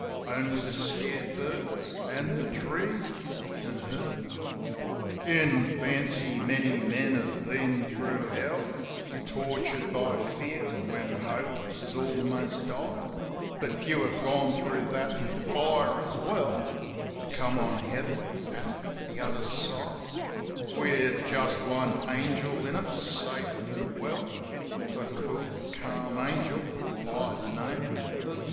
Only the scared birds, an' the trees, an' Her. In fancy, many men have been thro' Hell, Tortured by fear, when hope has almost died ; But few have gone thro' that, an' fire as well To come on Heaven at the other side With just one angel in it, safe an' well — A cool, calm angel by the name of Nell.